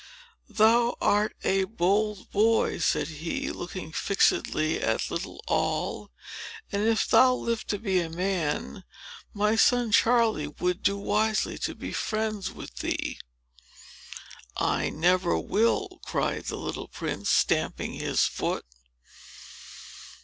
"Thou art a bold boy," said he, looking fixedly at little Noll; "and, if thou live to be a man, my son Charlie would do wisely to be friends with thee." "I never will!" cried the little prince, stamping his foot.